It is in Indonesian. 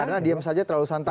karena diam saja terlalu santai